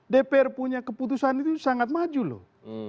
dpr punya keputusan itu sangat maju loh